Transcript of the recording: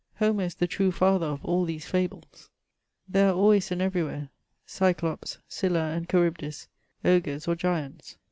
Homer is the true father of all these fables. There are always and everywhere Cyclops, Scylla and Chary bdis, ogres or grants.